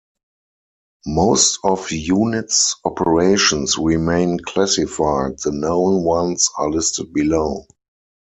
Most of unit's operations remain classified, the known ones are listed below.